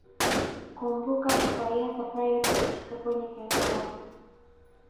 Kumbuka kufurahia safari yote ya kufika kwenye kilele cha Afrika